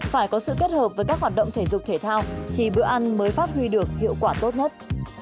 phải có sự kết hợp với các hoạt động thể dục thể thao thì bữa ăn mới phát huy được hiệu quả tốt nhất